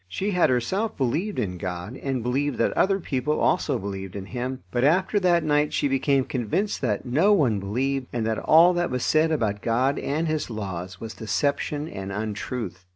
She had herself believed in God, and believed that other people also believed in Him; but after that night she became convinced that no one believed, and that all that was said about God and His laws was deception and untruth.